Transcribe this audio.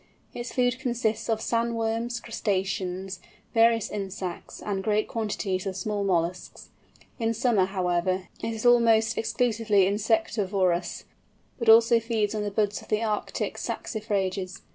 Its food consists of sand worms, crustaceans, various insects and great quantities of small molluscs. In summer, however, it is almost exclusively insectivorous, but also feeds on the buds of the Arctic saxifrages.